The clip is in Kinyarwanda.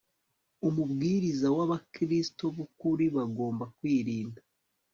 umubwiriza w abakristo b ukuri bagomba kwirinda